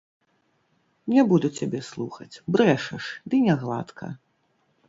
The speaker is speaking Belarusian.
Не буду цябе слухаць, брэшаш, ды не гладка.